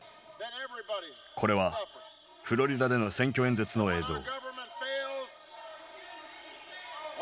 これはフロリダでの選挙演説の映像。